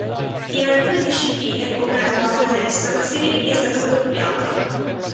In alcune discipline, come nella pallacanestro, la serie B è stata sdoppiata.